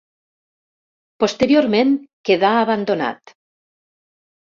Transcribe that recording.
Posteriorment quedà abandonat.